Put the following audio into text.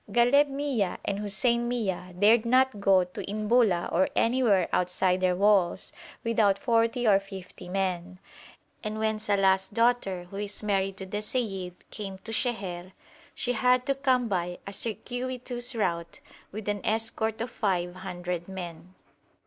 Ghaleb Mia and Hussein Mia dared not go to Inbula or anywhere outside their walls without forty or fifty men, and when Salàh's daughter, who is married to the seyyid, came to Sheher, she had to come by a circuitous route, with an escort of five hundred men.